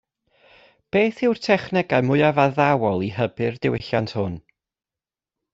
Beth yw'r technegau mwyaf addawol i hybu'r diwylliant hwn?